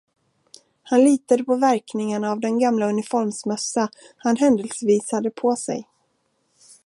Han litade på verkningarna av den gamla uniformsmössa han händelsevis hade på sig.